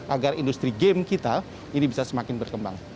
agar industri game kita ini bisa semakin berkembang